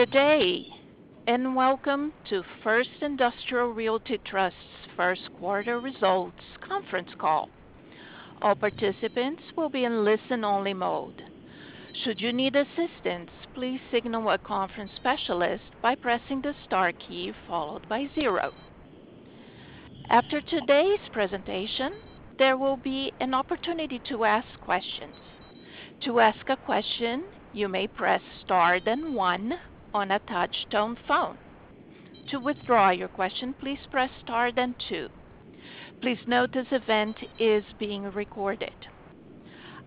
Good day, and welcome to First Industrial Realty Trust's first quarter results conference call. All participants will be in listen-only mode. Should you need assistance, please signal a conference specialist by pressing the star key followed by zero. After today's presentation, there will be an opportunity to ask questions. To ask a question, you may press star then one on a touch-tone phone. To withdraw your question, please press star then two. Please note this event is being recorded.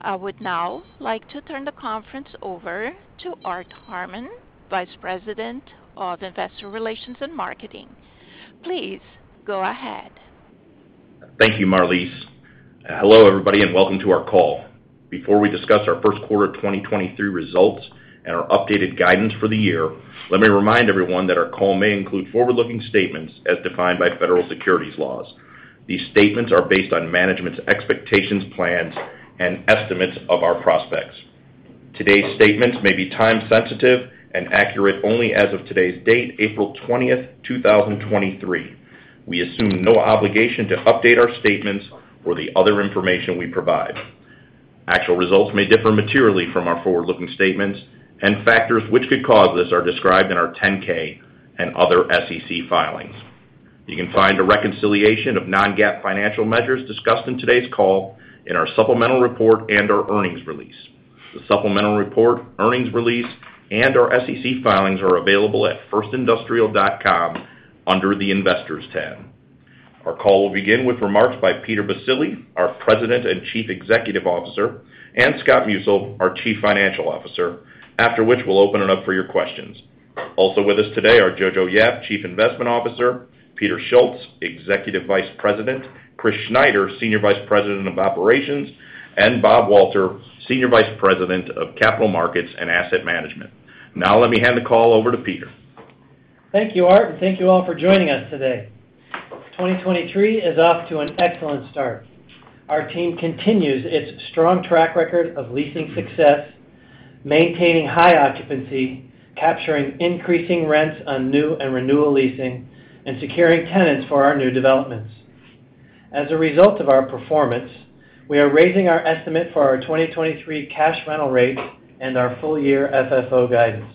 I would now like to turn the conference over to Art Harmon, Vice President of Investor Relations and Marketing. Please go ahead. Thank you, Marliese. Hello, everybody, welcome to our call. Before we discuss our first quarter of 2023 results and our updated guidance for the year, let me remind everyone that our call may include forward-looking statements as defined by federal securities laws. These statements are based on management's expectations, plans, and estimates of our prospects. Today's statements may be time sensitive and accurate only as of today's date, April 20th, 2023. We assume no obligation to update our statements or the other information we provide. Actual results may differ materially from our forward-looking statements. Factors which could cause this are described in our 10-K and other SEC filings. You can find a reconciliation of non-GAAP financial measures discussed in today's call in our supplemental report and our earnings release. The supplemental report, earnings release, and our SEC filings are available at firstindustrial.com under the Investors tab. Our call will begin with remarks by Peter Baccile, our President and Chief Executive Officer, and Scott Musil, our Chief Financial Officer. After which, we'll open it up for your questions. Also with us today are Jojo Yap, Chief Investment Officer, Peter Schultz, Executive Vice President, Chris Schneider, Senior Vice President of Operations, and Bob Walter, Senior Vice President of Capital Markets and Asset Management. Now let me hand the call over to Peter. Thank you, Art. Thank you all for joining us today. 2023 is off to an excellent start. Our team continues its strong track record of leasing success, maintaining high occupancy, capturing increasing rents on new and renewal leasing, and securing tenants for our new developments. As a result of our performance, we are raising our estimate for our 2023 cash rental rates and our full year FFO guidance.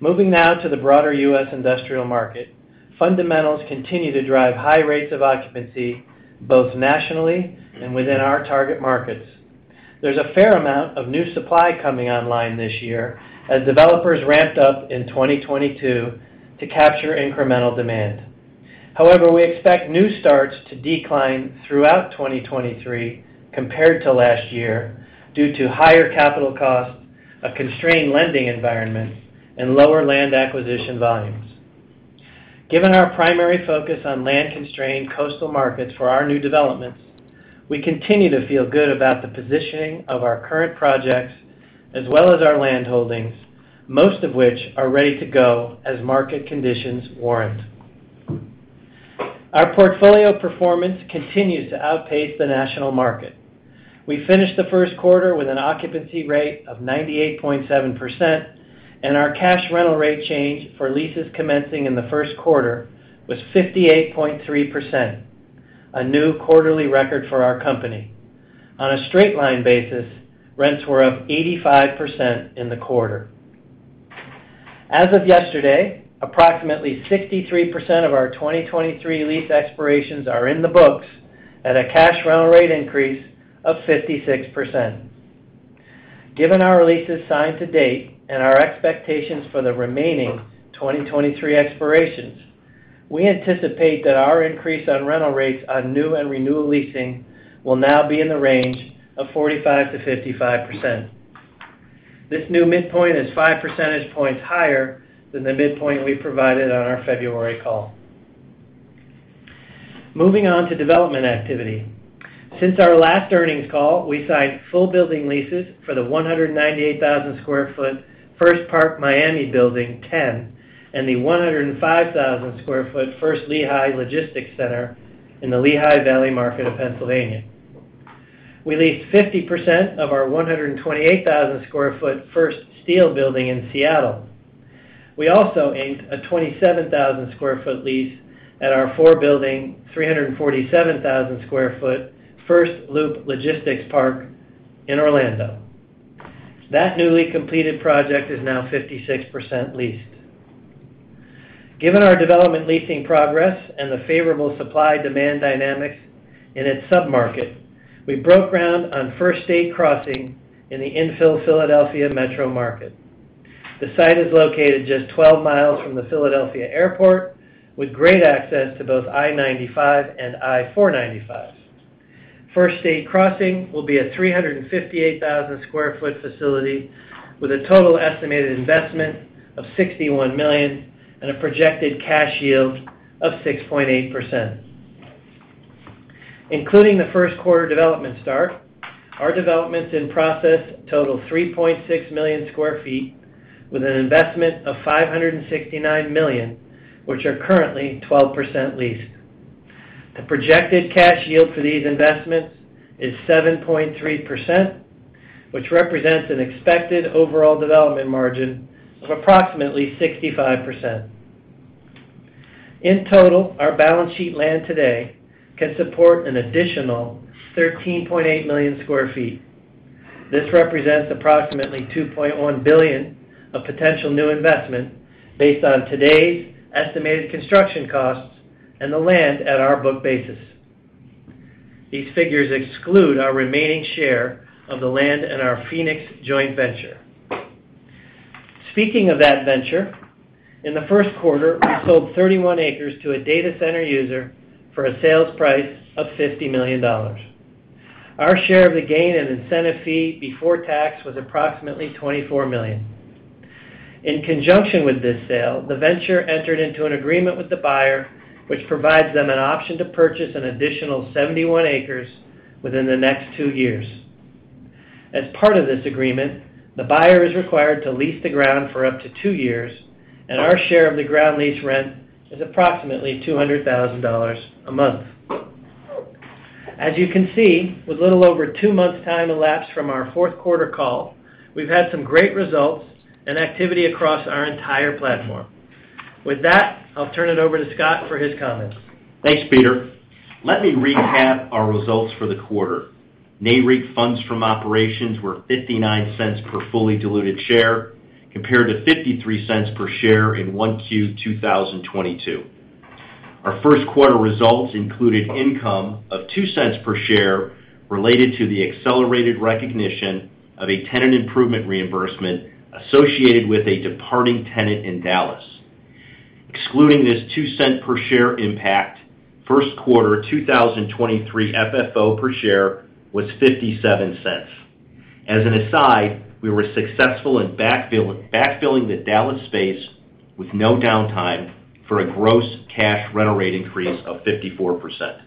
Moving now to the broader U.S. industrial market, fundamentals continue to drive high rates of occupancy, both nationally and within our target markets. There's a fair amount of new supply coming online this year as developers ramped up in 2022 to capture incremental demand. However, we expect new starts to decline throughout 2023 compared to last year due to higher capital costs, a constrained lending environment, and lower land acquisition volumes. Given our primary focus on land-constrained coastal markets for our new developments, we continue to feel good about the positioning of our current projects as well as our land holdings, most of which are ready to go as market conditions warrant. Our portfolio performance continues to outpace the national market. We finished the first quarter with an occupancy rate of 98.7%, and our cash rental rate change for leases commencing in the first quarter was 58.3%, a new quarterly record for our company. On a straight line basis, rents were up 85% in the quarter. As of yesterday, approximately 63% of our 2023 lease expirations are in the books at a cash rental rate increase of 56%. Given our leases signed to date and our expectations for the remaining 2023 expirations, we anticipate that our increase on rental rates on new and renewal leasing will now be in the range of 45%-55%. This new midpoint is five percentage points higher than the midpoint we provided on our February call. Moving on to development activity. Since our last earnings call, we signed full building leases for the 198,000 sq ft First Park Miami building 10, and the 105,000 sq ft First Lehigh Logistics Center in the Lehigh Valley market of Pennsylvania. We leased 50% of our 128,000 sq ft First Steel building in Seattle. We also inked a 27,000 sq ft lease at our four building, 347,000 sq ft First Loop Logistics Park in Orlando. That newly completed project is now 56% leased. Given our development leasing progress and the favorable supply-demand dynamics in its submarket, we broke ground on First State Crossing in the infill Philadelphia metro market. The site is located just 12 miles from the Philadelphia Airport, with great access to both I-95 and I-495. First State Crossing will be a 358,000 sq ft facility with a total estimated investment of $61 million and a projected cash yield of 6.8%. Including the first quarter development start, our developments in process total 3.6 million sq ft with an investment of $569 million, which are currently 12% leased. The projected cash yield for these investments is 7.3%, which represents an expected overall development margin of approximately 65%. In total, our balance sheet land today can support an additional 13.8 million sq ft. This represents approximately $2.1 billion of potential new investment based on today's estimated construction costs and the land at our book basis. These figures exclude our remaining share of the land and our Phoenix joint venture. Speaking of that venture, in the first quarter, we sold 31 acres to a data center user for a sales price of $50 million. Our share of the gain and incentive fee before tax was approximately $24 million. In conjunction with this sale, the venture entered into an agreement with the buyer, which provides them an option to purchase an additional 71 acres within the next 2 years. As part of this agreement, the buyer is required to lease the ground for up to two years, and our share of the ground lease rent is approximately $200,000 a month. As you can see, with little over two months' time elapsed from our fourth quarter call, we've had some great results and activity across our entire platform. With that, I'll turn it over to Scott for his comments. Thanks, Peter. Let me recap our results for the quarter. NAREIT funds from operations were $0.59 per fully diluted share compared to $0.53 per share in 1Q 2022. Our first quarter results included income of $0.02 per share related to the accelerated recognition of a tenant improvement reimbursement associated with a departing tenant in Dallas. Excluding this $0.02 per share impact, first quarter 2023 FFO per share was $0.57. As an aside, we were successful in backfilling the Dallas space with no downtime for a gross cash rental rate increase of 54%.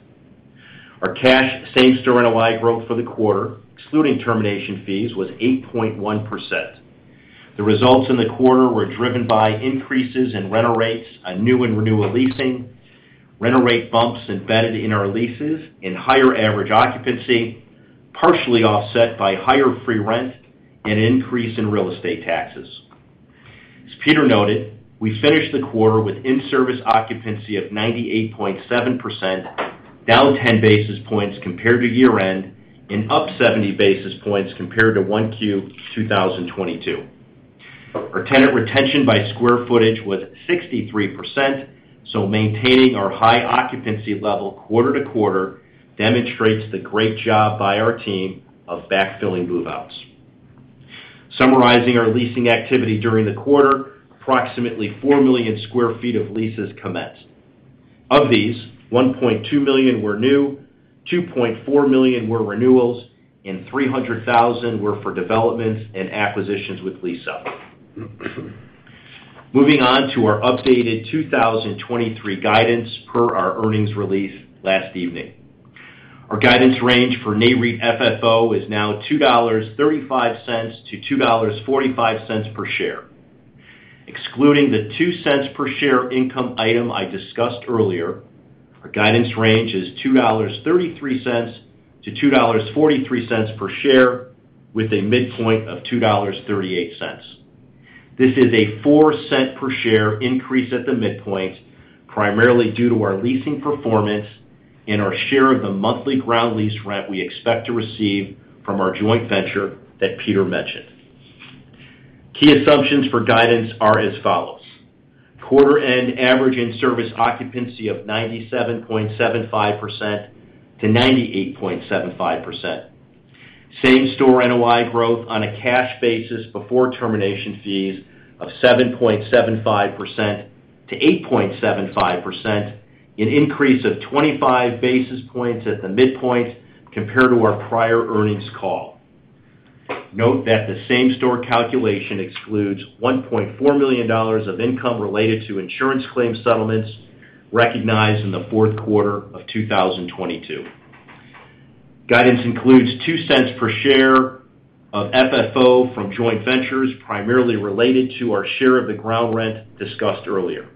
Our cash same-store NOI growth for the quarter, excluding termination fees, was 8.1%. The results in the quarter were driven by increases in rental rates on new and renewal leasing, rent rate bumps embedded in our leases, and higher average occupancy, partially offset by higher free rent and increase in real estate taxes. As Peter noted, we finished the quarter with in-service occupancy of 98.7%, down 10 basis points compared to year-end and up 70 basis points compared to 1Q 2022. Our tenant retention by square footage was 63%, so maintaining our high occupancy level quarter to quarter demonstrates the great job by our team of backfilling move-outs. Summarizing our leasing activity during the quarter, approximately 4 million sq ft of leases commenced. Of these, 1.2 million were new, 2.4 million were renewals, and 300,000 were for developments and acquisitions with lease up. Moving on to our updated 2023 guidance per our earnings release last evening. Our guidance range for NAREIT FFO is now $2.35-$2.45 per share. Excluding the $0.02 per share income item I discussed earlier, our guidance range is $2.33-$2.43 per share with a midpoint of $2.38. This is a $0.04 per share increase at the midpoint, primarily due to our leasing performance and our share of the monthly ground lease rent we expect to receive from our joint venture that Peter mentioned. Key assumptions for guidance are as follows: Quarter end average in service occupancy of 97.75%-98.75%. Same-Store NOI growth on a cash basis before termination fees of 7.75%-8.75%, an increase of 25 basis points at the midpoint compared to our prior earnings call. Note that the same-store calculation excludes $1.4 million of income related to insurance claim settlements recognized in the fourth quarter of 2022. Guidance includes $0.02 per share of FFO from joint ventures, primarily related to our share of the ground rent discussed earlier.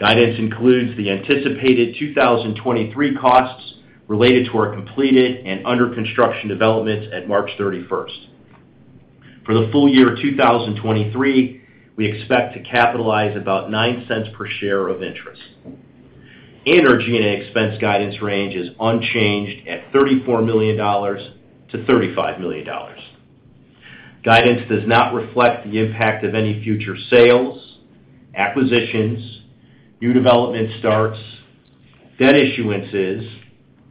Guidance includes the anticipated 2023 costs related to our completed and under construction developments at March 31st. For the full year of 2023, we expect to capitalize about $0.09 per share of interest. Our G&A expense guidance range is unchanged at $34 million-$35 million. Guidance does not reflect the impact of any future sales, acquisitions, new development starts, debt issuances,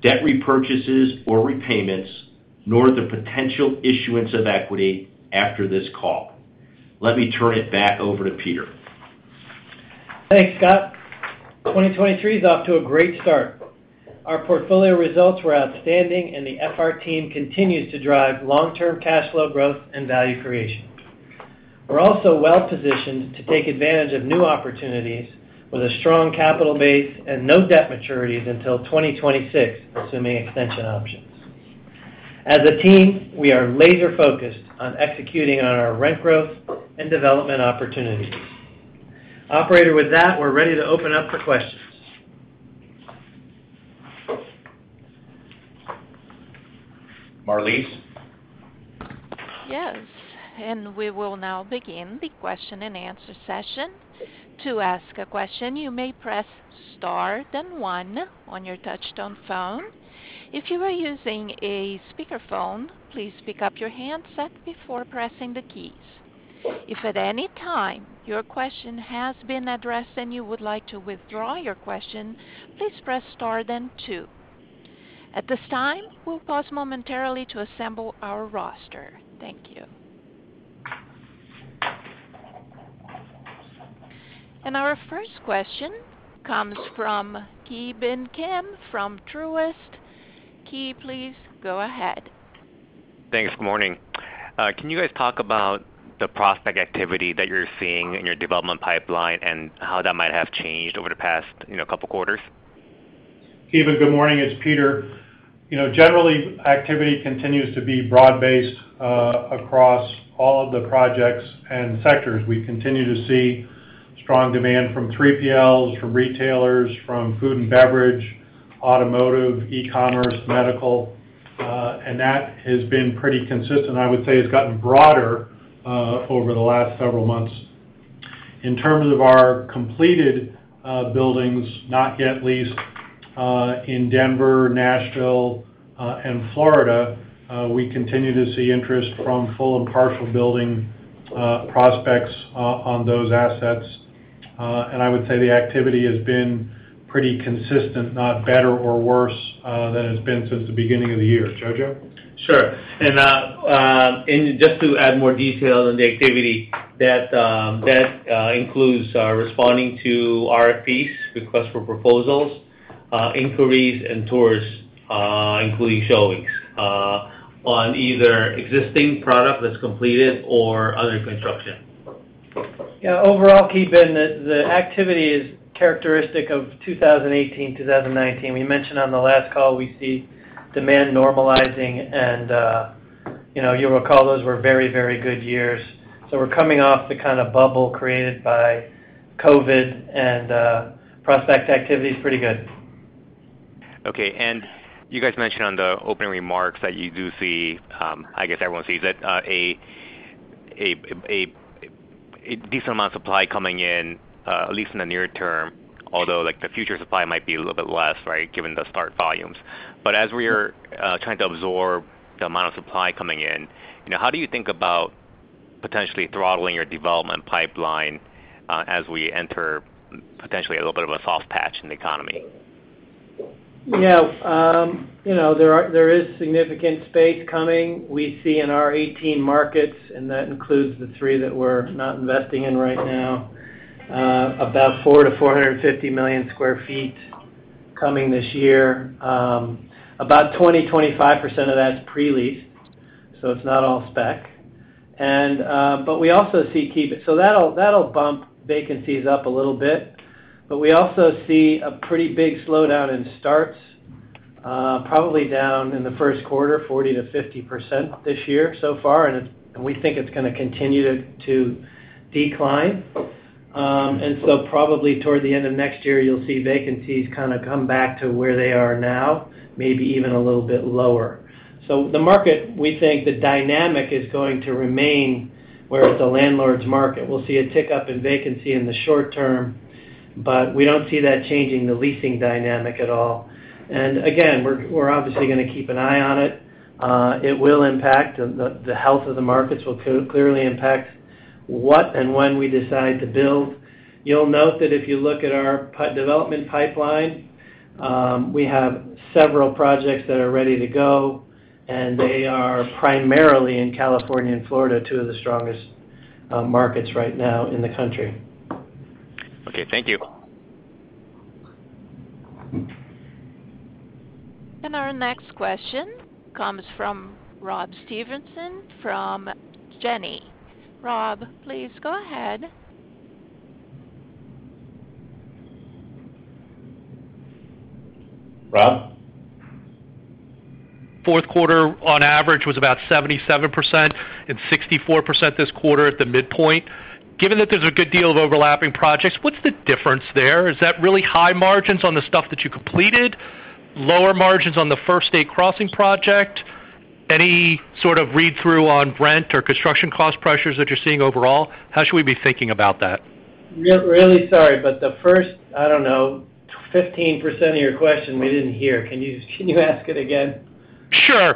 debt repurchases or repayments, nor the potential issuance of equity after this call. Let me turn it back over to Peter. Thanks, Scott. 2023 is off to a great start. Our portfolio results were outstanding and the FR team continues to drive long-term cash flow growth and value creation. We're also well-positioned to take advantage of new opportunities with a strong capital base and no debt maturities until 2026, assuming extension options. As a team, we are laser-focused on executing on our rent growth and development opportunities. Operator, with that, we're ready to open up for questions. Marliese? Yes. We will now begin the question-and-answer session. To ask a question, you may press star then one on your touchtone phone. If you are using a speakerphone, please pick up your handset before pressing the keys. If at any time your question has been addressed and you would like to withdraw your question, please press star then two. At this time, we'll pause momentarily to assemble our roster. Thank you. Our first question comes from Ki Bin Kim from Truist. Ki, please go ahead. Thanks. Good morning. Can you guys talk about the prospect activity that you're seeing in your development pipeline and how that might have changed over the past, you know, couple quarters? Ki Bin, good morning. It's Peter. You know, generally, activity continues to be broad-based across all of the projects and sectors. We continue to see strong demand from 3PLs, from retailers, from food and beverage, automotive, e-commerce, medical, and that has been pretty consistent. I would say it's gotten broader over the last several months. In terms of our completed buildings not yet leased in Denver, Nashville, and Florida, we continue to see interest from full and partial building prospects on those assets. I would say the activity has been pretty consistent, not better or worse, than it's been since the beginning of the year. Jojo? Sure. Just to add more detail on the activity, that includes responding to RFPs, request for proposals, inquiries and tours, including showings, on either existing product that's completed or under construction. Yeah. Overall, Ki Bin, the activity is characteristic of 2018, 2019. We mentioned on the last call we see demand normalizing, you know, you'll recall those were very, very good years. We're coming off the kind of bubble created by COVID and prospect activity is pretty good. Okay. You guys mentioned on the opening remarks that you do see, I guess everyone sees it, a decent amount of supply coming in, at least in the near term, although, like, the future supply might be a little bit less, right, given the start volumes. As we are trying to absorb the amount of supply coming in, you know, how do you think about potentially throttling your development pipeline, as we enter potentially a little bit of a soft patch in the economy? Yeah. you know, there is significant space coming. We see in our 18 markets, and that includes the three that we're not investing in right now, about 4 million sq ft-450 million sq ft coming this year. About 20%-25% of that's pre-leased, so it's not all spec. we also see, Ki Bin. That'll bump vacancies up a little bit. we also see a pretty big slowdown in starts, probably down in the first quarter, 40%-50% this year so far, and we think it's gonna continue to decline. Probably toward the end of next year, you'll see vacancies kinda come back to where they are now, maybe even a little bit lower. The market, we think the dynamic is going to remain where it's a landlord's market. We'll see a tick up in vacancy in the short term, but we don't see that changing the leasing dynamic at all. Again, we're obviously gonna keep an eye on it. It will impact the health of the markets will clearly impact what and when we decide to build. You'll note that if you look at our development pipeline, we have several projects that are ready to go, and they are primarily in California and Florida, two of the strongest markets right now in the country. Okay. Thank you. Our next question comes from Rob Stevenson from Janney. Rob, please go ahead. Rob? Fourth quarter, on average, was about 77% and 64% this quarter at the midpoint. Given that there's a good deal of overlapping projects, what's the difference there? Is that really high margins on the stuff that you completed? Lower margins on the First State Crossing project? Any sort of read-through on rent or construction cost pressures that you're seeing overall? How should we be thinking about that? Really sorry, the first, I don't know, 15% of your question we didn't hear. Can you ask it again? Sure.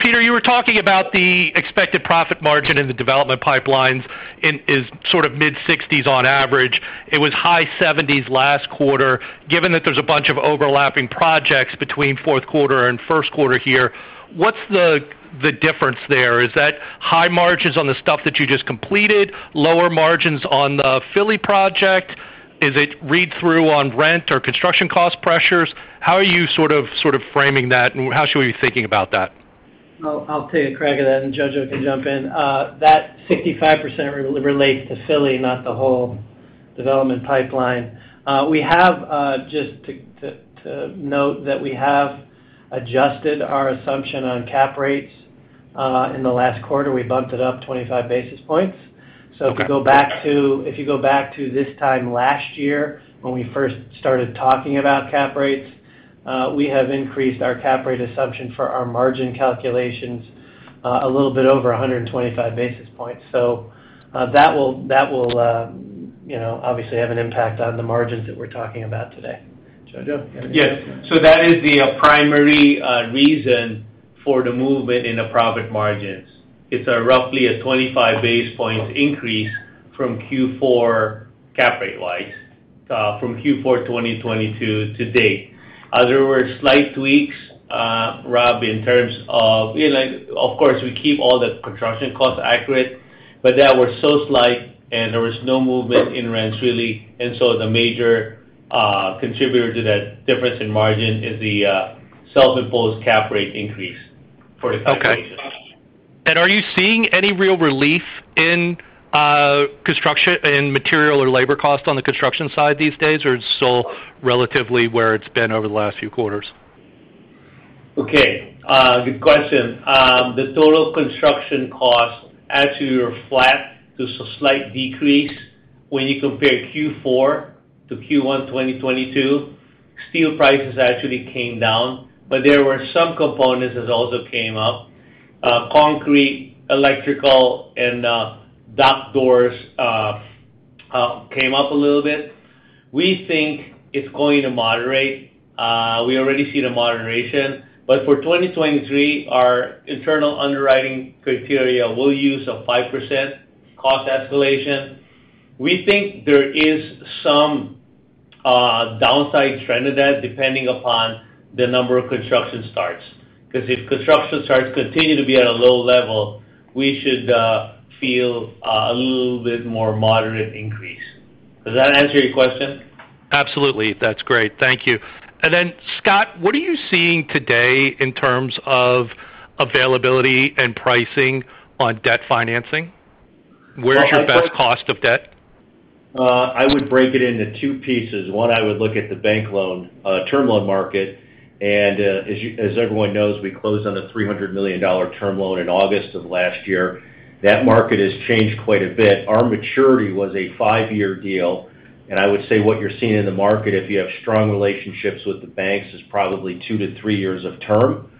Peter, you were talking about the expected profit margin in the development pipelines is sort of mid-60s% on average. It was high 70s% last quarter. Given that there's a bunch of overlapping projects between fourth quarter and first quarter here, what's the difference there? Is that high margins on the stuff that you just completed, lower margins on the Philly project? Is it read-through on rent or construction cost pressures? How are you sort of framing that, and how should we be thinking about that? I'll take a crack at that, and Jojo can jump in. That 65% relates to Philly, not the whole development pipeline. We have, just to note that we have adjusted our assumption on cap rates, in the last quarter. We bumped it up 25 basis points. If you go back to this time last year when we first started talking about cap rates, we have increased our cap rate assumption for our margin calculations, a little bit over 125 basis points. That will, that will, you know, obviously have an impact on the margins that we're talking about today. Jojo? Yes. That is the primary reason for the movement in the profit margins. It's a roughly a 25 basis points increase from Q4 cap rate wise from Q4 2022 to date. There were slight tweaks, Rob, in terms of, you know, like of course we keep all the construction costs accurate, but that was so slight and there was no movement in rents really. The major contributor to that difference in margin is the self-imposed cap rate increase for the cap rates. Okay. Are you seeing any real relief in material or labor costs on the construction side these days, or it's still relatively where it's been over the last few quarters? Okay. Good question. The total construction costs actually are flat to slight decrease. When you compare Q4 to Q1 2022, steel prices actually came down. There were some components that also came up. Concrete, electrical, and dock doors came up a little bit. We think it's going to moderate. We already see the moderation. For 2023, our internal underwriting criteria will use a 5% cost escalation. We think there is some downside trend to that depending upon the number of construction starts. If construction starts continue to be at a low level, we should feel a little bit more moderate increase. Does that answer your question? Absolutely. That's great. Thank you. Scott, what are you seeing today in terms of availability and pricing on debt financing? Where's your best cost of debt? I would break it into two pieces. One, I would look at the bank loan, term loan market. As everyone knows, we closed on a $300 million term loan in August of last year. That market has changed quite a bit. Our maturity was a five-year deal. I would say what you're seeing in the market, if you have strong relationships with the banks, is probably two to three years of term.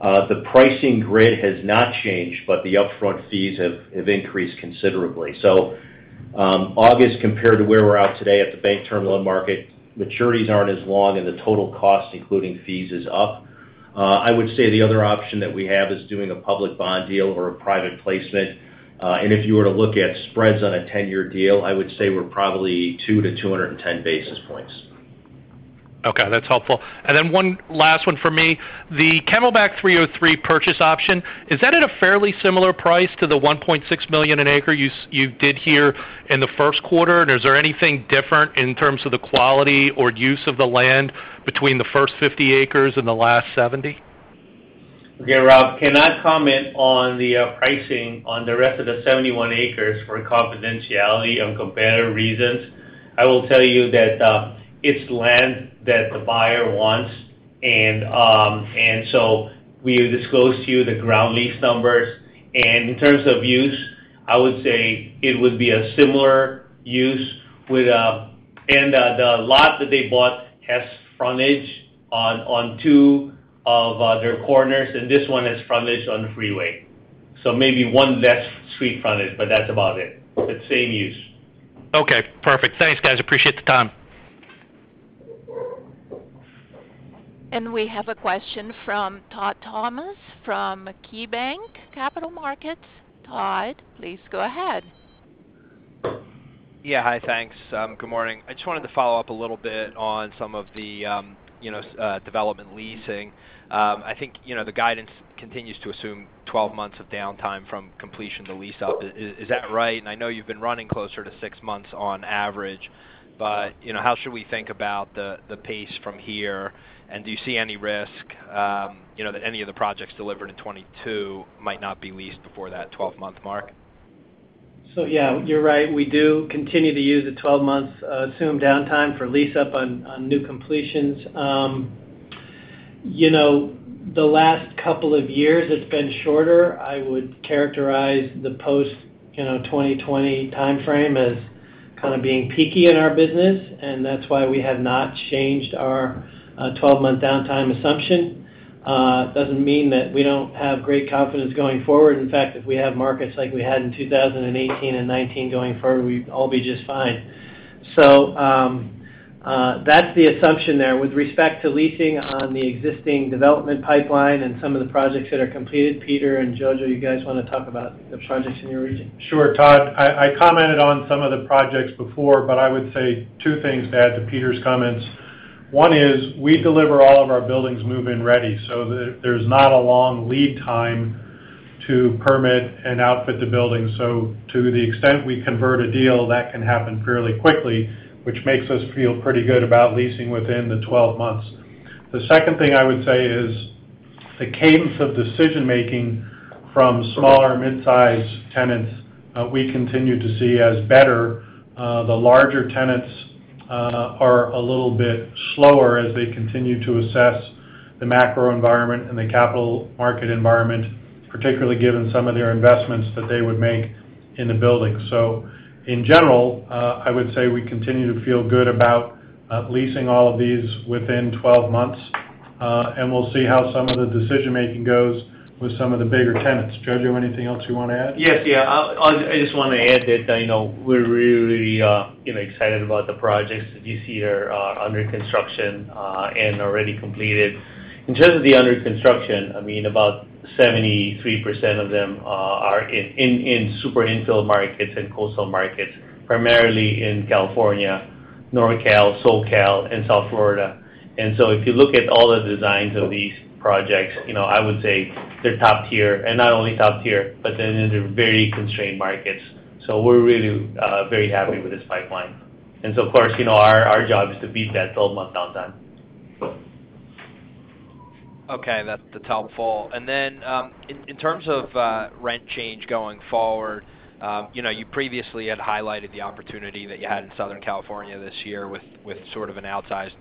The pricing grid has not changed, the upfront fees have increased considerably. August compared to where we're at today at the bank term loan market, maturities aren't as long, and the total cost, including fees, is up. I would say the other option that we have is doing a public bond deal or a private placement. If you were to look at spreads on a 10-year deal, I would say we're probably 2-210 basis points. Okay. That's helpful. Then one last one for me. The Camelback 303 purchase option, is that at a fairly similar price to the $1.6 million an acre you did here in the first quarter? Is there anything different in terms of the quality or use of the land between the first 50 acres and the last 70? Okay, Rob. Cannot comment on the pricing on the rest of the 71 acres for confidentiality and competitive reasons. I will tell you that it's land that the buyer wants. We disclose to you the ground lease numbers. In terms of use, I would say it would be a similar use with. The lot that they bought has frontage on two of their corners, and this one has frontage on the freeway. Maybe one less street frontage, but that's about it. Same use. Okay. Perfect. Thanks, guys. Appreciate the time. We have a question from Todd Thomas from KeyBanc Capital Markets. Todd, please go ahead. Yeah. Hi. Thanks. Good morning. I just wanted to follow up a little bit on some of the, you know, development leasing. I think, you know, the guidance continues to assume 12 months of downtime from completion to lease up. Is that right? I know you've been running closer to six months on average, but, you know, how should we think about the pace from here? Do you see any risk, you know, that any of the projects delivered in 2022 might not be leased before that 12-month mark? Yeah, you're right. We do continue to use the 12 months assumed downtime for lease-up on new completions. You know, the last couple of years it's been shorter. I would characterize the post, you know, 2020 timeframe as kind of being peaky in our business, and that's why we have not changed our 12-month downtime assumption. Doesn't mean that we don't have great confidence going forward. In fact, if we have markets like we had in 2018 and 2019 going forward, we'd all be just fine. That's the assumption there. With respect to leasing on the existing development pipeline and some of the projects that are completed, Peter and Jojo, you guys wanna talk about the projects in your region? Sure, Todd. I commented on some of the projects before, but I would say two things to add to Peter's comments. One is we deliver all of our buildings move-in ready, so there's not a long lead time to permit and outfit the building. To the extent we convert a deal, that can happen fairly quickly, which makes us feel pretty good about leasing within the 12 months. The second thing I would say is, the cadence of decision-making from smaller mid-size tenants, we continue to see as better. The larger tenants, are a little bit slower as they continue to assess the macro environment and the capital market environment, particularly given some of their investments that they would make in the building. In general, I would say we continue to feel good about leasing all of these within 12 months. And we'll see how some of the decision-making goes with some of the bigger tenants. Jojo, anything else you wanna add? Yes. Yeah. I just wanna add that, you know, we're really, you know, excited about the projects this year under construction and already completed. In terms of the under construction, I mean, about 73% of them are in super infill markets and coastal markets, primarily in California, NorCal, SoCal, and South Florida. If you look at all the designs of these projects, you know, I would say they're top tier, and not only top tier, but they're in very constrained markets. We're really very happy with this pipeline. Of course, you know, our job is to beat that 12-month downtime. Okay, that's helpful. Then, in terms of rent change going forward, you know, you previously had highlighted the opportunity that you had in Southern California this year with sort of an outsized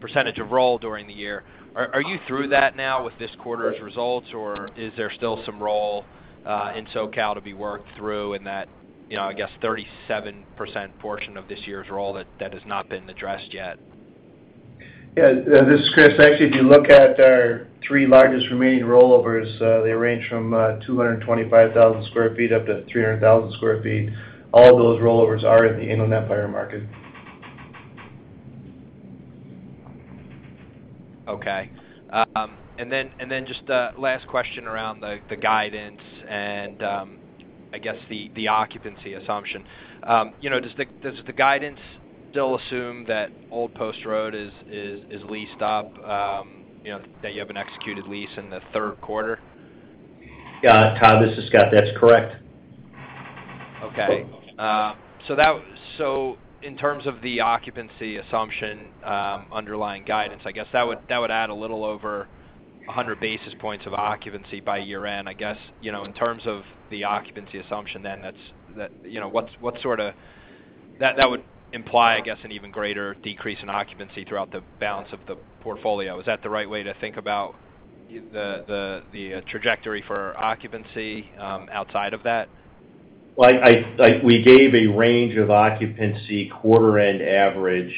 percentage of roll during the year. Are you through that now with this quarter's results, or is there still some roll in SoCal to be worked through in that, you know, I guess 37% portion of this year's roll that has not been addressed yet? Yeah. This is Chris. Actually, if you look at our three largest remaining rollovers, they range from 225,000 sq ft up to 300,000 sq ft. All those rollovers are in the Inland Empire market. Okay. And then just a last question around the guidance and, I guess, the occupancy assumption. You know, does the guidance still assume that Old Post Road is leased up, you know, that you have an executed lease in the third quarter? Yeah. Todd, this is Scott. That's correct. Okay. In terms of the occupancy assumption, underlying guidance, I guess that would add a little over 100 basis points of occupancy by year-end. I guess, you know, in terms of the occupancy assumption, then that's, you know. That would imply, I guess, an even greater decrease in occupancy throughout the balance of the portfolio. Is that the right way to think about the trajectory for occupancy, outside of that? Well, we gave a range of occupancy quarter end average,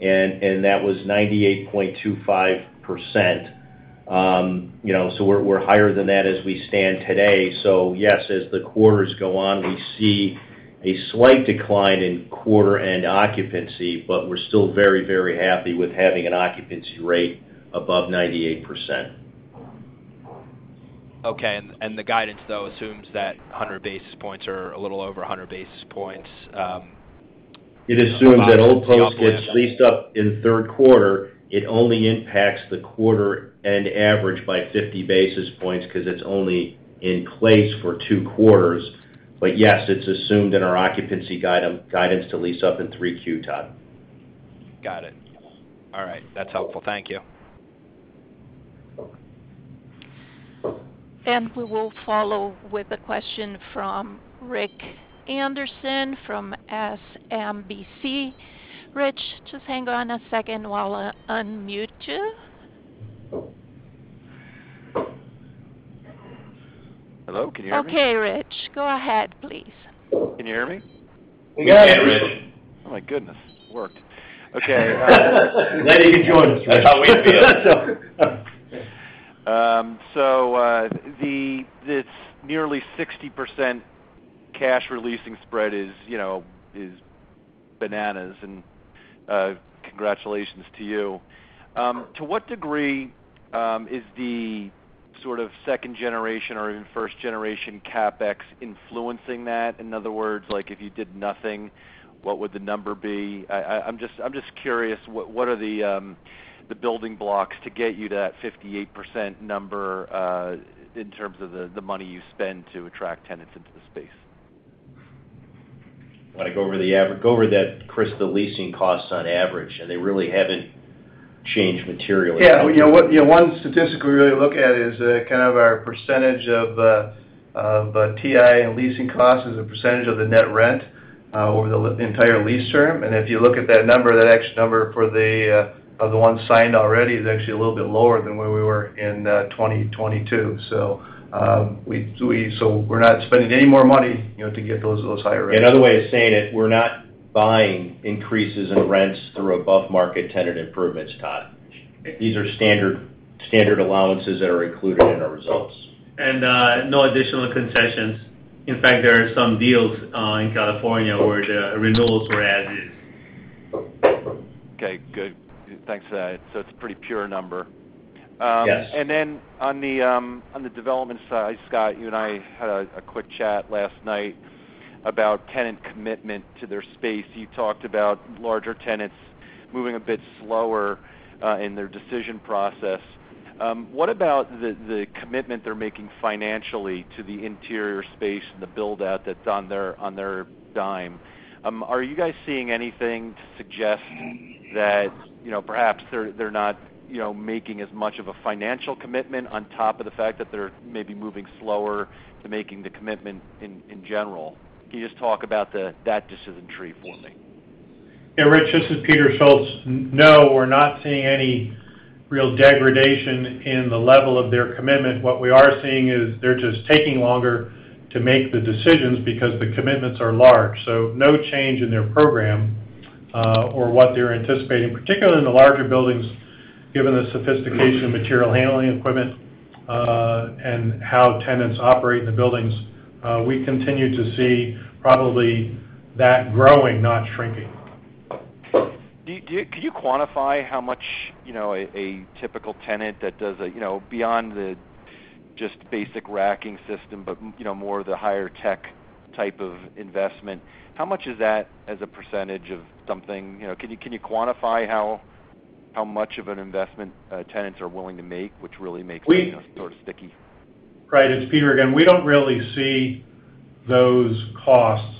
that was 98.25%. you know, we're higher than that as we stand today. Yes, as the quarters go on, we see a slight decline in quarter end occupancy, but we're still very, very happy with having an occupancy rate above 98%. Okay. The guidance, though, assumes that 100 basis points or a little over 100 basis points, about to be on the way back. It assumed that Old Post gets leased up in third quarter. It only impacts the quarter end average by 50 basis points because it's only in place for two quarters. Yes, it's assumed in our occupancy guidance to lease up in 3Q, Todd. Got it. All right. That's helpful. Thank you. We will follow with a question from Rich Anderson from SMBC. Rich, just hang on a second while I unmute you. Hello. Can you hear me? Okay, Rich. Go ahead, please. Can you hear me? We can, Rich. Oh, my goodness. It worked. Okay. Now you can join us, Rich. That's how we feel. This nearly 60% cash releasing spread is, you know, is bananas and congratulations to you. To what degree is the sort of second generation or even first generation CapEx influencing that? In other words, like if you did nothing, what would the number be? I'm just curious, what are the building blocks to get you to that 58% number in terms of the money you spend to attract tenants into the space? Wanna go over that, Chris, the leasing costs on average, and they really haven't changed materially. Yeah. You know, one statistic we really look at is kind of our percentage of of TI and leasing costs as a percentage of the net rent over the entire lease term. If you look at that number, that number for the of the ones signed already is actually a little bit lower than where we were in 2022. We're not spending any more money, you know, to get those higher rents. Another way of saying it, we're not buying increases in rents through above market tenant improvements, Todd. These are standard allowances that are included in our results. No additional concessions. In fact, there are some deals, in California where the renewals were as is. Okay, good. Thanks for that. It's a pretty pure number. Yes. On the development side, Scott, you and I had a quick chat last night about tenant commitment to their space. You talked about larger tenants moving a bit slower in their decision process. What about the commitment they're making financially to the interior space and the build-out that's on their dime? Are you guys seeing anything to suggest that, you know, perhaps they're not, you know, making as much of a financial commitment on top of the fact that they're maybe moving slower to making the commitment in general? Can you just talk about that decision tree for me? Yeah, Rich, this is Peter Schultz. We're not seeing any real degradation in the level of their commitment. What we are seeing is they're just taking longer to make the decisions because the commitments are large, no change in their program, or what they're anticipating, particularly in the larger buildings, given the sophistication of material handling equipment, and how tenants operate in the buildings. We continue to see probably that growing, not shrinking. Could you quantify how much, you know, a typical tenant that does, you know, beyond the just basic racking system, but, you know, more of the higher tech type of investment, how much is that as a percentage of something? You know, can you quantify how much of an investment tenants are willing to make, which really makes... We- them sort of sticky? Right. It's Peter again. We don't really see those costs.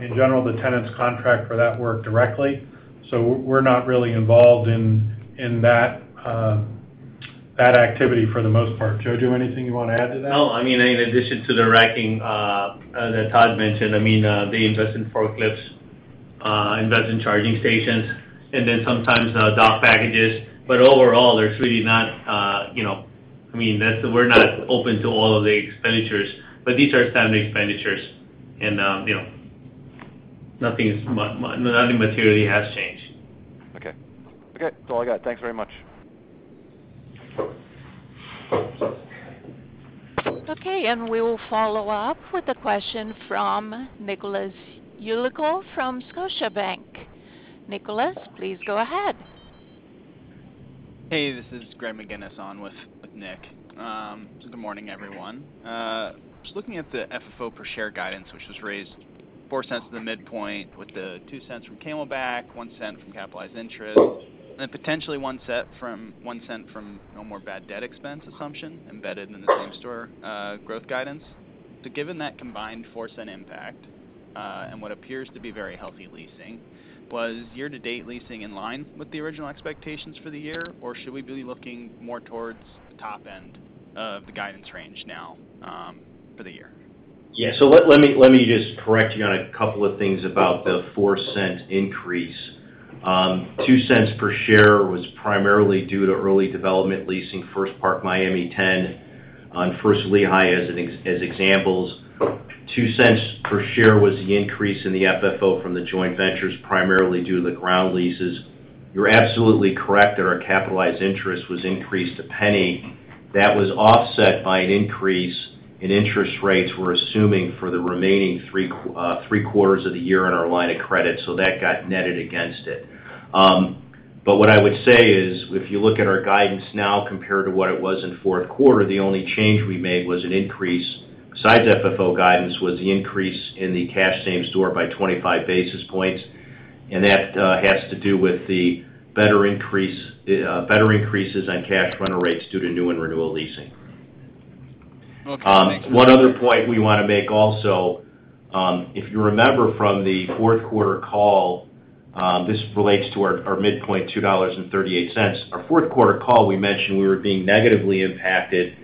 In general, the tenants contract for that work directly, so we're not really involved in that activity for the most part. Joe, do you have anything you wanna add to that? No. I mean, in addition to the racking, that Todd mentioned, I mean, they invest in forklifts, invest in charging stations and then sometimes, dock packages. Overall, there's really not, you know, I mean, we're not open to all of the expenditures, but these are standard expenditures and you know, nothing materially has changed. Okay, that's all I got. Thanks very much. Okay, we will follow up with a question from Nicholas Yulico from Scotiabank. Nicholas, please go ahead. Hey, this is Greg McGinniss on with Nick. Good morning, everyone. Just looking at the FFO per share guidance, which was raised $0.04 to the midpoint with the $0.02 from Camelback, $0.01 from capitalized interest, and potentially $0.01 from no more bad debt expense assumption embedded in the same-store growth guidance. Given that combined $0.04 impact, and what appears to be very healthy leasing, was year-to-date leasing in line with the original expectations for the year, or should we be looking more towards the top end of the guidance range now for the year? Let me just correct you on a couple of things about the $0.04 increase. $0.02 per share was primarily due to early development leasing, First Park Miami Ten on First Lehigh as examples. $0.02 per share was the increase in the FFO from the joint ventures, primarily due to the ground leases. You're absolutely correct that our capitalized interest was increased $0.01. That was offset by an increase in interest rates we're assuming for the remaining three quarters of the year on our line of credit, so that got netted against it. What I would say is, if you look at our guidance now compared to what it was in fourth quarter, the only change we made was an increase... Besides FFO guidance, was the increase in the cash same store by 25 basis points, and that has to do with the better increase, better increases on cash rental rates due to new and renewal leasing. Okay. Thank you. One other point we want to make also, if you remember from the fourth quarter call, this relates to our midpoint, $2.38. Our fourth quarter call, we mentioned we were being negatively impacted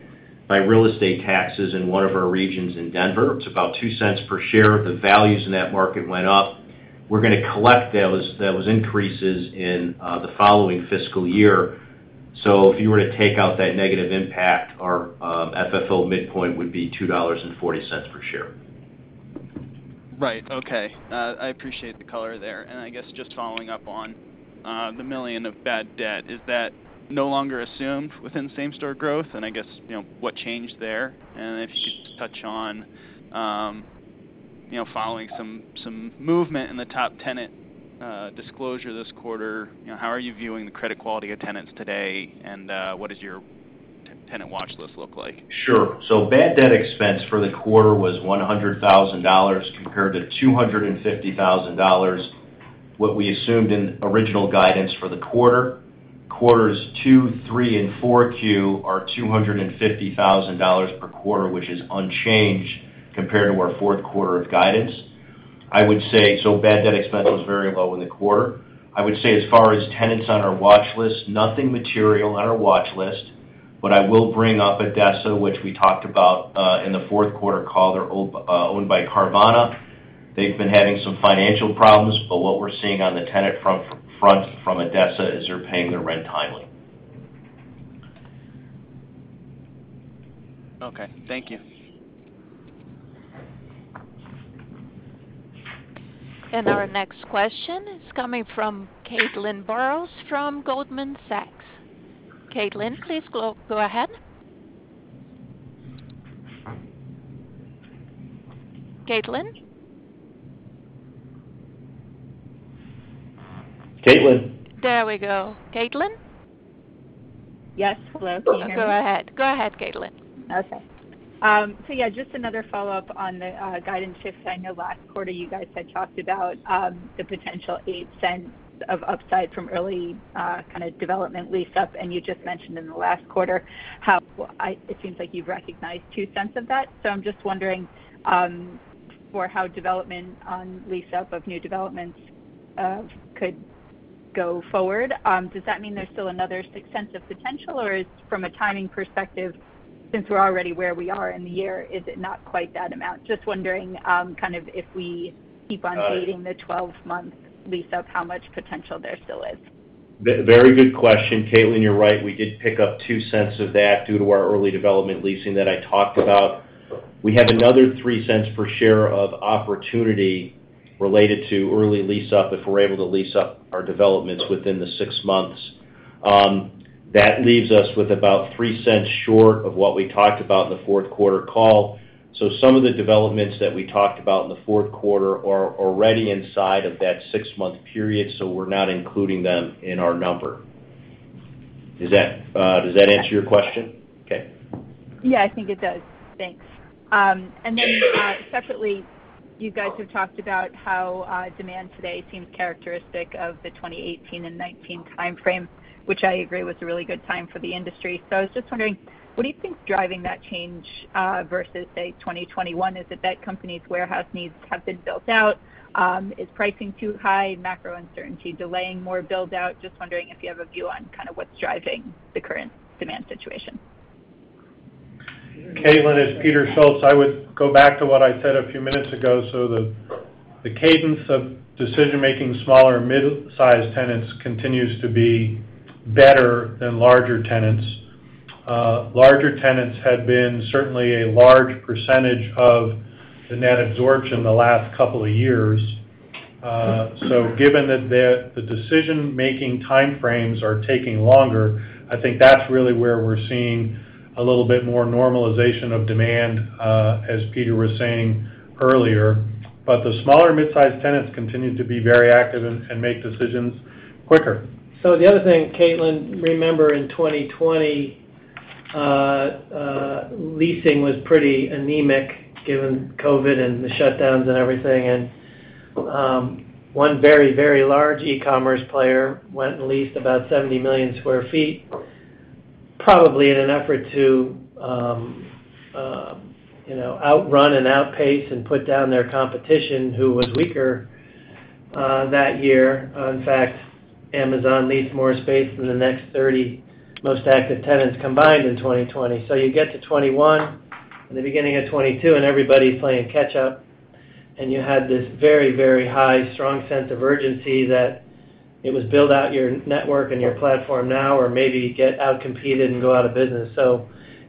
by real estate taxes in one of our regions in Denver. It's about $0.02 per share. The values in that market went up. We're gonna collect those increases in the following fiscal year. If you were to take out that negative impact, our FFO midpoint would be $2.40 per share. Right. Okay. I appreciate the color there. I guess just following up on the $1 million of bad debt. Is that no longer assumed within same-store growth? I guess, you know, what changed there? If you could just touch on, you know, following some movement in the top tenant disclosure this quarter, you know, how are you viewing the credit quality of tenants today, and what does your tenant watch list look like? Sure. Bad debt expense for the quarter was $100,000 compared to $250,000, what we assumed in original guidance for the quarter. Quarters two, three, and 4Q are $250,000 per quarter, which is unchanged compared to our fourth quarter of guidance. I would say, bad debt expense was very low in the quarter. I would say as far as tenants on our watch list, nothing material on our watch list, but I will bring up ADESA, which we talked about in the fourth quarter call. They're owned by Carvana. They've been having some financial problems, but what we're seeing on the tenant front from ADESA is they're paying their rent timely. Okay, thank you. Our next question is coming from Caitlin Burrows from Goldman Sachs. Caitlin, please go ahead. Caitlin? Caitlin? There we go. Caitlin? Yes. Hello, can you hear me? Go ahead. Go ahead, Caitlin. Okay. Yeah, just another follow-up on the guidance shift. I know last quarter you guys had talked about the potential $0.08 of upside from early kind of development lease up, and you just mentioned in the last quarter how it seems like you've recognized $0.02 of that. I'm just wondering for how development on lease up of new developments could go forward. Does that mean there's still another $0.06 of potential, or from a timing perspective, since we're already where we are in the year, is it not quite that amount? Just wondering kind of if we keep on dating the 12-month lease up, how much potential there still is. Very good question, Caitlin. You're right. We did pick up $0.02 of that due to our early development leasing that I talked about. We have another $0.03 per share of opportunity related to early lease up if we're able to lease up our developments within the six months. That leaves us with about $0.03 short of what we talked about in the fourth quarter call. Some of the developments that we talked about in the fourth quarter are already inside of that six-month period, so we're not including them in our number. Does that answer your question? Yeah, I think it does. Thanks. Separately, you guys have talked about how demand today seems characteristic of the 2018 and 2019 time frame, which I agree was a really good time for the industry. I was just wondering, what do you think is driving that change, versus, say, 2021? Is it that companies' warehouse needs have been built out? Is pricing too high, macro uncertainty delaying more build-out? Just wondering if you have a view on kind of what's driving the current demand situation. Caitlin, it's Peter Schultz. I would go back to what I said a few minutes ago. The cadence of decision-making smaller mid-sized tenants continues to be better than larger tenants. Larger tenants had been certainly a large percentage of the net absorption the last couple of years. Given that the decision-making time frames are taking longer, I think that's really where we're seeing a little bit more normalization of demand, as Peter was saying earlier. The smaller mid-sized tenants continue to be very active and make decisions quicker. The other thing, Caitlin, remember in 2020, leasing was pretty anemic given COVID and the shutdowns and everything. One very, very large e-commerce player went and leased about 70 million sq ft, probably in an effort to, you know, outrun and outpace and put down their competition who was weaker that year. In fact, Amazon leased more space than the next 30 most active tenants combined in 2020. You get to 2021, the beginning of 2022, and everybody's playing catch up, and you had this very, very high, strong sense of urgency that it was build out your network and your platform now or maybe get outcompeted and go out of business.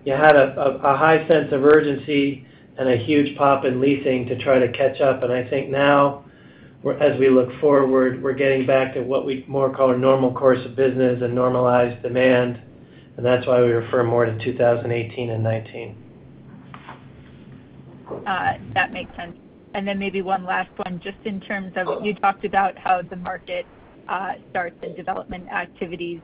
You had a high sense of urgency and a huge pop in leasing to try to catch up. I think now, as we look forward, we're getting back to what we more call a normal course of business and normalized demand, and that's why we refer more to 2018 and 2019. That makes sense. Then maybe one last one. Just in terms of you talked about how the market starts and development activities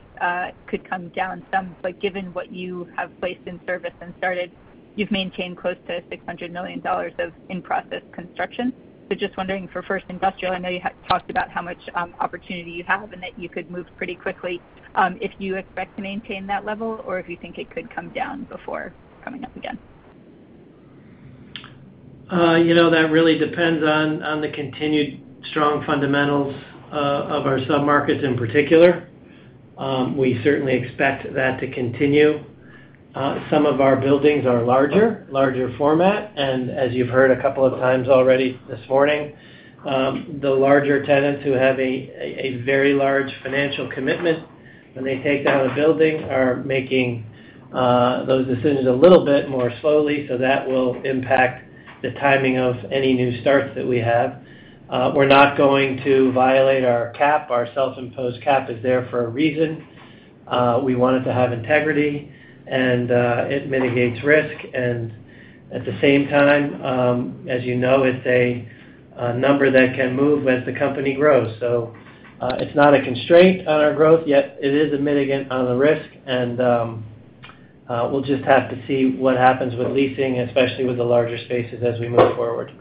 could come down some, but given what you have placed in service and started, you've maintained close to $600 million of in-process construction. Just wondering for First Industrial, I know you had talked about how much opportunity you have and that you could move pretty quickly if you expect to maintain that level or if you think it could come down before coming up again? You know, that really depends on the continued strong fundamentals of our submarkets in particular. We certainly expect that to continue. Some of our buildings are larger format, and as you've heard a couple of times already this morning, the larger tenants who have a very large financial commitment when they take down a building are making those decisions a little bit more slowly. That will impact the timing of any new starts that we have. We're not going to violate our cap. Our self-imposed cap is there for a reason. We want it to have integrity, and it mitigates risk. At the same time, as you know, it's a number that can move as the company grows. It's not a constraint on our growth, yet it is a mitigant on the risk. We'll just have to see what happens with leasing, especially with the larger spaces as we move forward.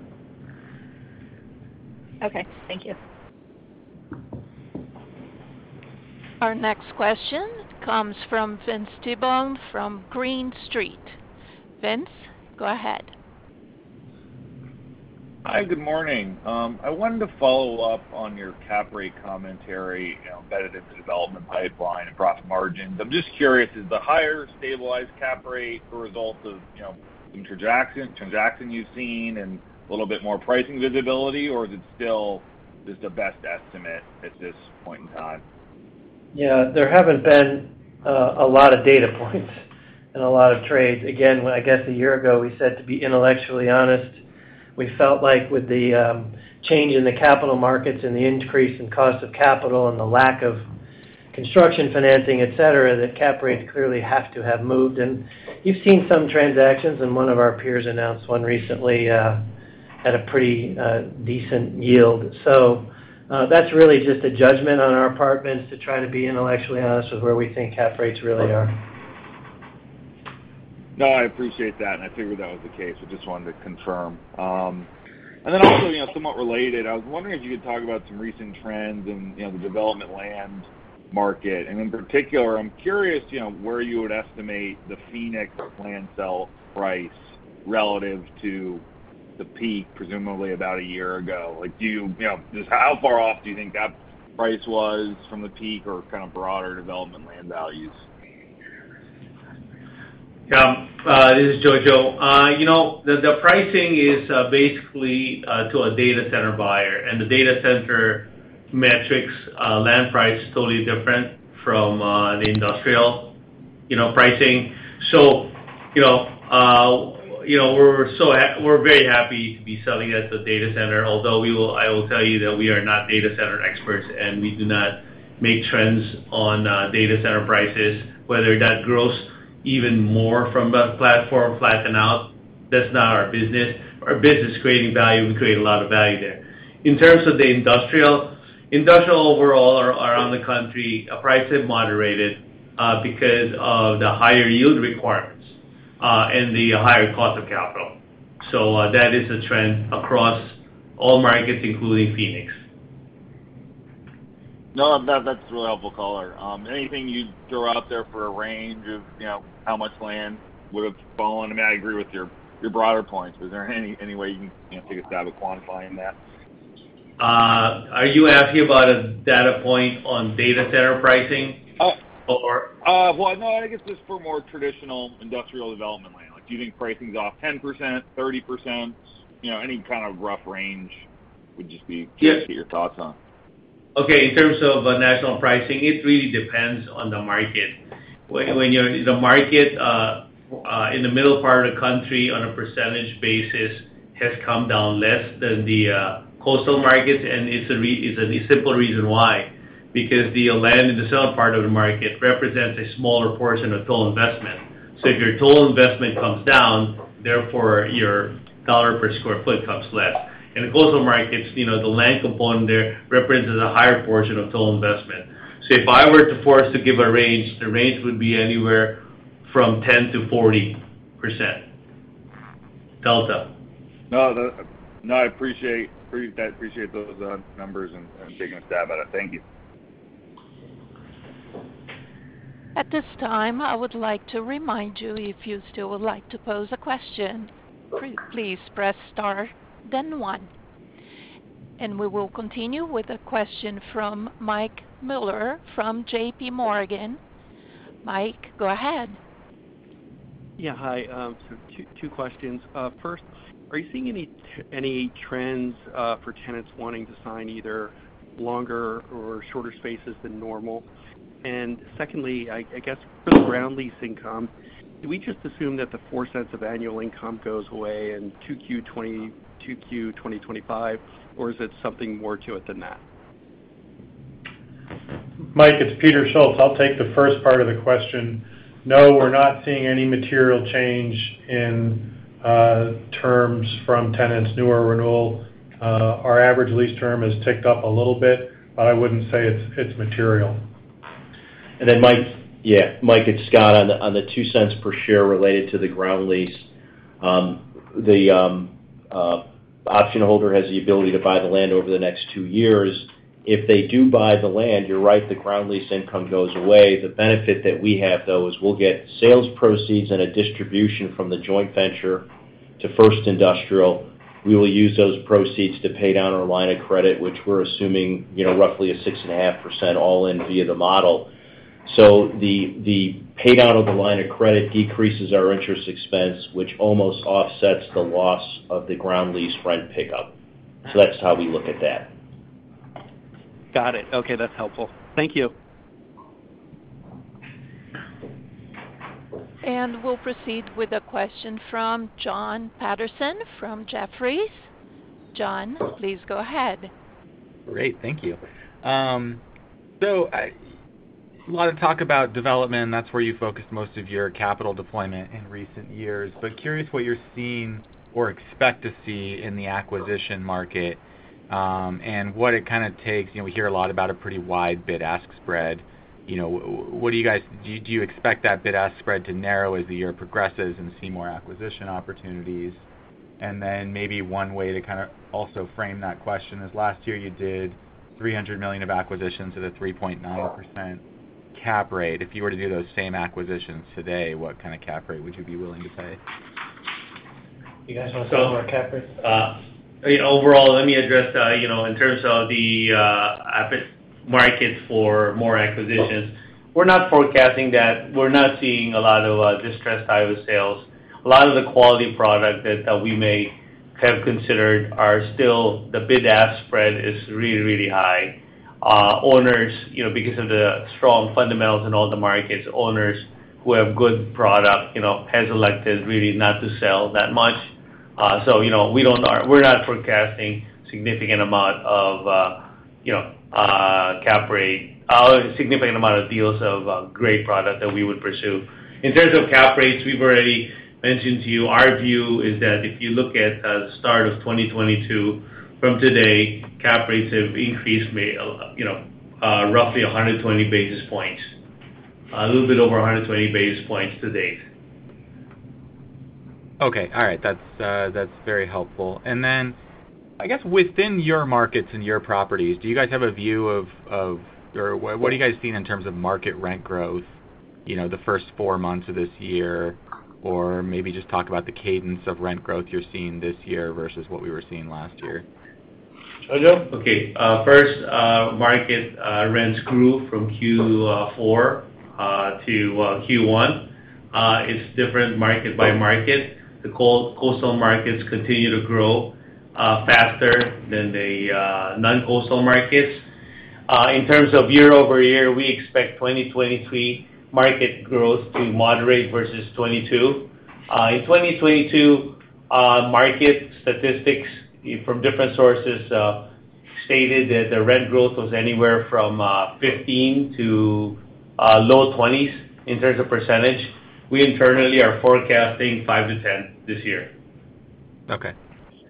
Okay, thank you. Our next question comes from Vince Tibone from Green Street. Vince, go ahead. Hi, good morning. I wanted to follow up on your cap rate commentary, embedded into development pipeline across margins. I'm just curious, is the higher stabilized cap rate a result of transaction you've seen and a little bit more pricing visibility, or is it still just the best estimate at this point in time? Yeah. There haven't been a lot of data points and a lot of trades. Again, I guess a year ago, we said to be intellectually honest, we felt like with the change in the capital markets and the increase in cost of capital and the lack of construction financing, et cetera, that cap rates clearly have to have moved. You've seen some transactions, and one of our peers announced one recently at a pretty, decent yield. That's really just a judgment on our apartments to try to be intellectually honest with where we think cap rates really are. No, I appreciate that, and I figured that was the case. I just wanted to confirm. Also, you know, somewhat related, I was wondering if you could talk about some recent trends in, you know, the development land market. In particular, I'm curious, you know, where you would estimate the Phoenix land sale price relative to the peak, presumably about a year ago. You know, just how far off do you think that price was from the peak or kind of broader development land values? Yeah. This is Jojo. You know, the pricing is basically to a data center buyer, and the data center metrics, land price is totally different from the industrial, you know, pricing. You know, we're very happy to be selling at the data center, although I will tell you that we are not data center experts, and we do not make trends on data center prices, whether that grows even more from the platform or flatten out, that's not our business. Our business is creating value. We create a lot of value there. In terms of the industrial overall around the country, prices have moderated because of the higher yield requirements and the higher cost of capital. That is a trend across all markets, including Phoenix. That's a really helpful color. Anything you'd throw out there for a range of, you know, how much land would have fallen? I mean, I agree with your broader points, but is there any way you can take a stab at quantifying that? Are you asking about a data point on data center pricing or? Well, no, I guess just for more traditional industrial development land. Like, do you think pricing's off 10%, 30%? You know, any kind of rough range would just be. Yeah. Curious to get your thoughts on. Okay. In terms of national pricing, it really depends on the market. The market in the middle part of the country on a percentage basis has come down less than the coastal markets, and it's a simple reason why, because the land in the south part of the market represents a smaller portion of total investment. If your total investment comes down, therefore your dollar per square foot comes less. In the coastal markets, you know, the land component there represents a higher portion of total investment. If I were to forced to give a range, the range would be anywhere from 10%-40% delta. No, I appreciate those numbers and taking a stab at it. Thank you. At this time, I would like to remind you if you still would like to pose a question, please press star then one. We will continue with a question from Mike Mueller from JPMorgan. Mike, go `ahead. Yeah. Hi. Two questions. First, are you seeing any trends for tenants wanting to sign either longer or shorter spaces than normal? Secondly, I guess for the ground lease income, do we just assume that the $0.04 of annual income goes away in 2Q 2025, or is it something more to it than that? Mike, it's Peter Schultz. I'll take the first part of the question. We're not seeing any material change in terms from tenants, new or renewal. Our average lease term has ticked up a little bit, but I wouldn't say it's material. Mike, it's Scott. On the $0.02 per share related to the ground lease, the option holder has the ability to buy the land over the next two years. If they do buy the land, you're right, the ground lease income goes away. The benefit that we have, though, is we'll get sales proceeds and a distribution from the joint venture to First Industrial. We will use those proceeds to pay down our line of credit, which we're assuming, you know, roughly a 6.5% all-in via the model. The pay down of the line of credit decreases our interest expense, which almost offsets the loss of the ground lease rent pickup. That's how we look at that. Got it. Okay, that's helpful. Thank you. We'll proceed with a question from Jon Petersen from Jefferies. John, please go ahead. Great. Thank you. A lot of talk about development, and that's where you focused most of your capital deployment in recent years. Curious what you're seeing or expect to see in the acquisition market, and what it kind of takes. You know, we hear a lot about a pretty wide bid-ask spread. You know, what do you guys? Do you expect that bid-ask spread to narrow as the year progresses and see more acquisition opportunities? Maybe one way to kind of also frame that question is last year you did $300 million of acquisitions at a 3.9% cap rate. If you were to do those same acquisitions today, what kind of cap rate would you be willing to pay? You guys wanna start on cap rates? Overall, let me address, you know, in terms of the market for more acquisitions. We're not forecasting that. We're not seeing a lot of distressed type of sales. A lot of the quality product that we may have considered are still the bid-ask spread is really, really high. Owners, you know, because of the strong fundamentals in all the markets, owners who have good product, you know, has elected really not to sell that much. You know, we don't, we're not forecasting significant amount of- you know, cap rate, a significant amount of deals of great product that we would pursue. In terms of cap rates, we've already mentioned to you, our view is that if you look at the start of 2022, from today, cap rates have increased, you know, roughly 120 basis points. A little bit over 120 basis points to date. Okay. All right. That's, that's very helpful. I guess within your markets and your properties, do you guys have a view of what are you guys seeing in terms of market rent growth, you know, the first four months of this year? Maybe just talk about the cadence of rent growth you're seeing this year versus what we were seeing last year. Hello. Okay. First, market rents grew from Q4 to Q1. It's different market by market. The coastal markets continue to grow faster than the non-coastal markets. In terms of year-over-year, we expect 2023 market growth to moderate versus 2022. In 2022, market statistics from different sources stated that the rent growth was anywhere from 15% to low 20s in terms of percentage. We internally are forecasting 5%-10% this year. Okay.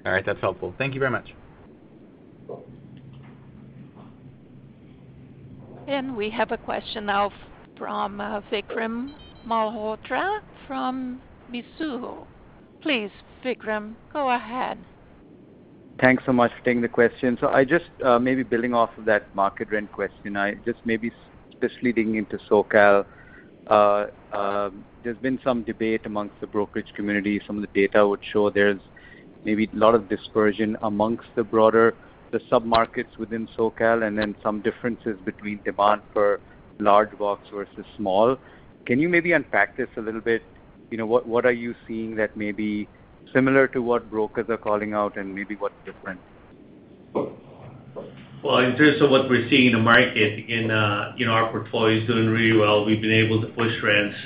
All right. That's helpful. Thank you very much. Cool. We have a question now from Vikram Malhotra from Mizuho. Please, Vikram, go ahead. Thanks so much for taking the question. I just maybe building off of that market rent question. I just maybe just leading into SoCal, there's been some debate amongst the brokerage community. Some of the data would show there's maybe a lot of dispersion amongst the sub-markets within SoCal, and then some differences between demand for large blocks versus small. Can you maybe unpack this a little bit? You know, what are you seeing that may be similar to what brokers are calling out, and maybe what's different? Well, in terms of what we're seeing in the market in our portfolio is doing really well. We've been able to push rents,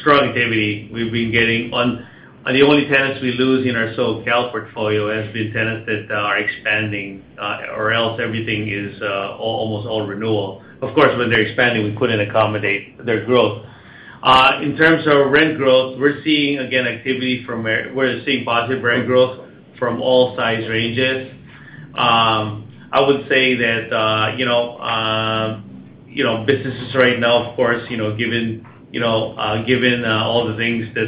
strong activity. We've been getting on. The only tenants we lose in our SoCal portfolio has been tenants that are expanding, or else everything is almost all renewal. Of course, when they're expanding, we couldn't accommodate their growth. In terms of rent growth, we're seeing, again, positive rent growth from all size ranges. I would say that, you know, businesses right now, of course, you know, given, you know, all the things that,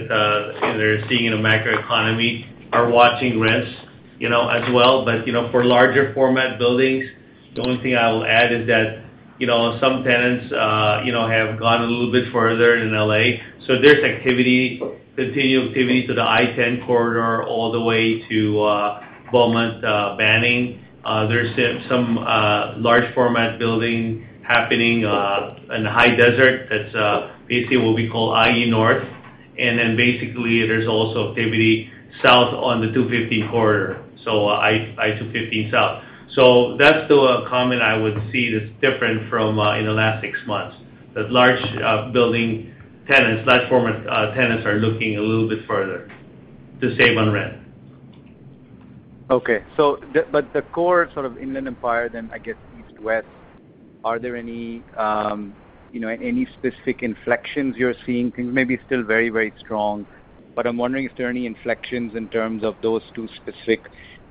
you know, they're seeing in the macroeconomy, are watching rents, you know, as well. You know, for larger format buildings, the only thing I will add is that, you know, some tenants, you know, have gone a little bit further in L.A. There's activity, continued activity to the I-10 corridor all the way to Beaumont, Banning. There's some large format building happening in the High Desert. That's basically what we call IE North. Basically, there's also activity south on the 215 corridor, so I-215 South. That's the common I would see that's different from in the last six months. The large building tenants, large format tenants are looking a little bit further to save on rent. The core sort of Inland Empire then I guess east to west, are there any, you know, any specific inflections you're seeing? Things may be still very, very strong, but I'm wondering if there are any inflections in terms of those two specific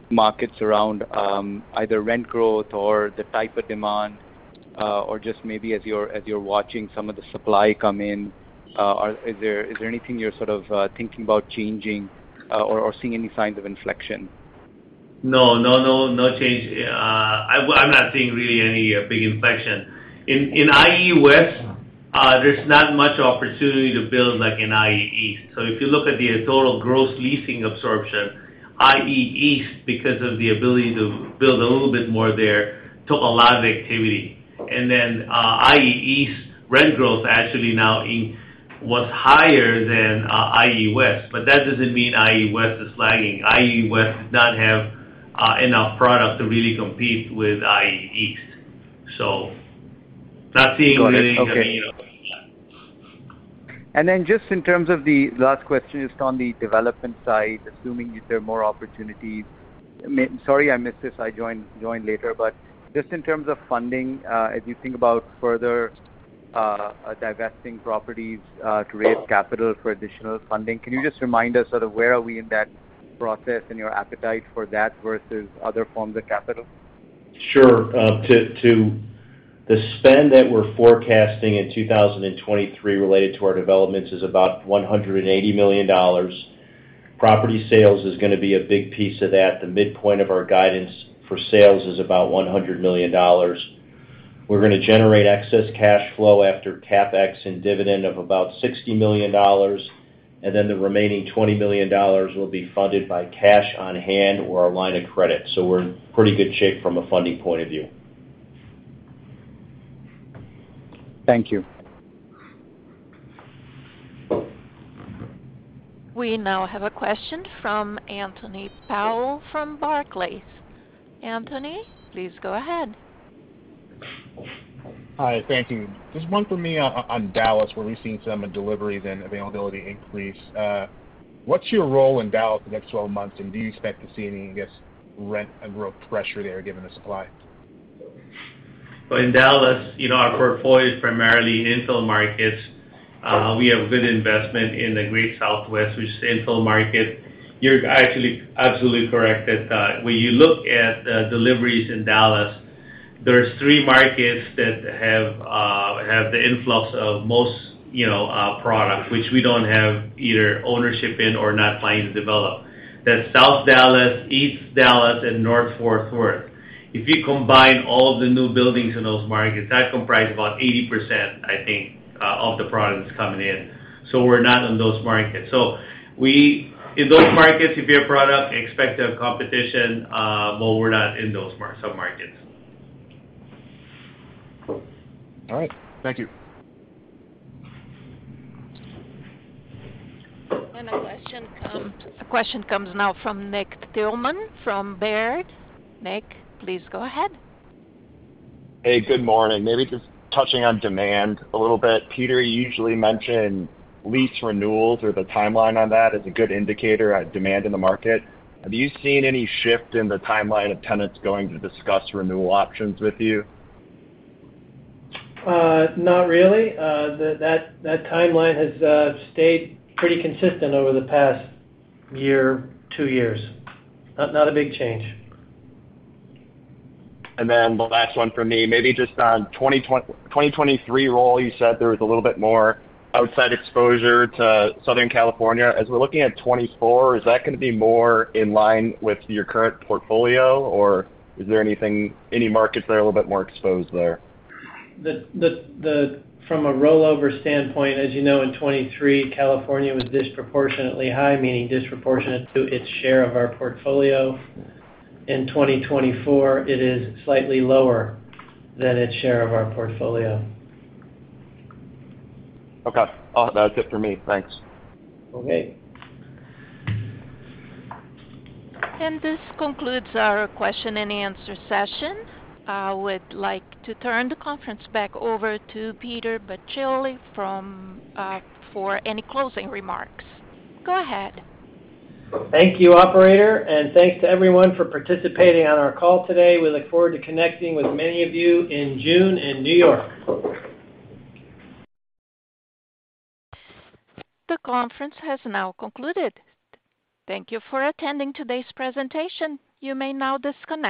markets around, either rent growth or the type of demand, or just maybe as you're watching some of the supply come in, is there anything you're sort of thinking about changing, or seeing any signs of inflection? No. No, no change. I'm not seeing really any big inflection. In IE West, there's not much opportunity to build like in IE East. If you look at the total gross leasing absorption, IE East, because of the ability to build a little bit more there, took a lot of activity. Then, IE East rent growth actually now was higher than IE West, but that doesn't mean IE West is lagging. IE West does not have enough product to really compete with IE East. Not seeing anything- Got it. Okay. I mean. Just in terms of the last question, just on the development side, assuming if there are more opportunities. Sorry I missed this. I joined later. Just in terms of funding, as you think about further divesting properties to raise capital for additional funding, can you just remind us sort of where are we in that process and your appetite for that versus other forms of capital? Sure. The spend that we're forecasting in 2023 related to our developments is about $180 million. Property sales is gonna be a big piece of that. The midpoint of our guidance for sales is about $100 million. We're gonna generate excess cash flow after CapEx and dividend of about $60 million. The remaining $20 million will be funded by cash on hand or our line of credit. We're in pretty good shape from a funding point of view. Thank you. We now have a question from Anthony Powell from Barclays. Anthony, please go ahead. Hi, thank you. Just one for me on Dallas, where we're seeing some deliveries and availability increase. What's your role in Dallas the next 12 months, and do you expect to see any, I guess, rent and growth pressure there given the supply? Well, in Dallas, you know, our portfolio is primarily infill markets. We have good investment in the Great Southwest, which is infill market. You're actually absolutely correct that, when you look at deliveries in Dallas, there's three markets that have the influx of most, you know, product, which we don't have either ownership in or not planning to develop. That's South Dallas, East Dallas, and North Fort Worth. If you combine all the new buildings in those markets, that comprise about 80%, I think, of the products coming in. We're not in those markets. In those markets, if you have product, expect to have competition. We're not in those submarkets. All right, thank you. A question comes now from Nick Thillman from Baird. Nick, please go ahead. Hey, good morning. Maybe just touching on demand a little bit. Peter, you usually mention lease renewals or the timeline on that as a good indicator on demand in the market. Have you seen any shift in the timeline of tenants going to discuss renewal options with you? Not really. That timeline has stayed pretty consistent over the past year.. two years. Not a big change. Then the last one for me, maybe just on 2023 roll, you said there was a little bit more outside exposure to Southern California. As we're looking at 2024, is that gonna be more in line with your current portfolio, or is there anything, any markets that are a little bit more exposed there? From a rollover standpoint, as you know, in 2023, California was disproportionately high, meaning disproportionate to its share of our portfolio. In 2024, it is slightly lower than its share of our portfolio. Okay. That's it for me. Thanks. Okay. This concludes our question-and-answer session. I would like to turn the conference back over to Peter Baccile from, for any closing remarks. Go ahead. Thank you, operator, and thanks to everyone for participating on our call today. We look forward to connecting with many of you in June in New York. The conference has now concluded. Thank you for attending today's presentation. You may now disconnect.